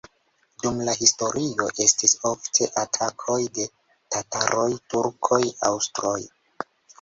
Dum la historio estis ofte atakoj de tataroj, turkoj, aŭstroj.